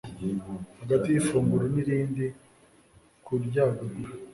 hagati y’ifunguro n’irindi kuryagagura